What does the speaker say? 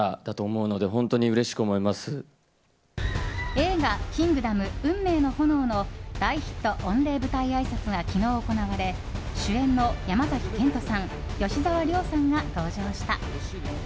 映画「キングダム運命の炎」の大ヒット御礼舞台あいさつが昨日行われ主演の山崎賢人さん吉沢亮さんが登場した。